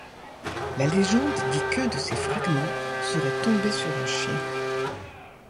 La légende dit qu’un de ses fragments serait tombé sur un chien.